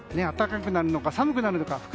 暖かくなるのか、寒くなるのか。